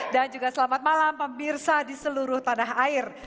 dan juga selamat malam pemirsa di seluruh tanah air